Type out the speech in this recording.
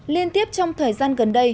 liên tiếp trong thời gian gần đây